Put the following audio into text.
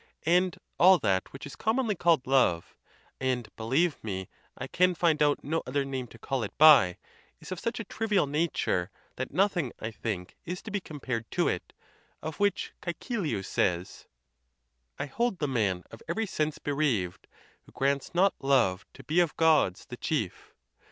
And all that which is commonly called love (and, believe me, I can find out no other name to call it by) is of such a trivial nature that nothing, I think, is to be compared to it: of which Ceecilius says, I hold the man of every sense bereaved Who grants not Love to be of Gods the chief: ON OTHER PERTURBATIONS OF THE MIND.